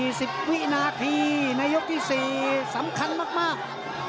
ในช่วง๔๐วินาทีในยกที่๔สำคัญมาก